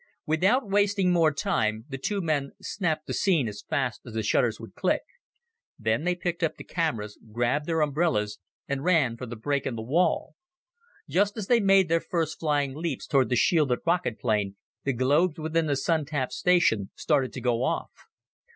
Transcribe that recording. Without wasting more time, the two men snapped the scene as fast as the shutters would click. Then they picked up the cameras, grabbed their umbrellas and ran for the break in the wall. Just as they made their first flying leaps toward the shielded rocket plane, the globes within the Sun tap station started to go off.